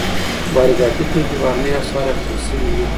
وارداتي توکي په بهرنیو اسعارو اخیستل شوي وي.